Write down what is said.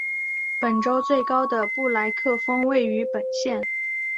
本州最高的布莱克峰位于本县。